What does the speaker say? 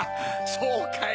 そうかい。